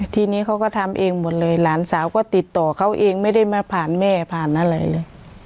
ทีนี้เขาก็ทำเองหมดเลยหลานสาวก็ติดต่อเขาเองไม่ได้มาผ่านแม่ผ่านอะไรเลย